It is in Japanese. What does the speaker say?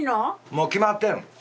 もう決まってる。